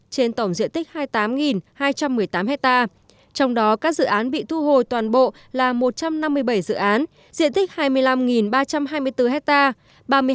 trên tổng diện tích hai mươi tám hai trăm một mươi tám hectare trong đó các dự án bị thu hồi toàn bộ là một trăm năm mươi bảy dự án diện tích hai mươi năm ba trăm hai mươi bốn hectare